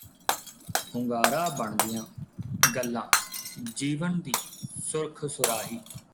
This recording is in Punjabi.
ਹੁੰਗਾਰਾ ਬਣਦੀਆਂ ਗੱਲਾਂ ਜੀਵਨ ਦੀ ਸੁੱਰਖ ਸੁਰਾਹੀ